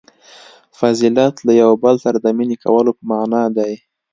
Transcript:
• فضیلت له یوه بل سره د مینې کولو په معنیٰ دی.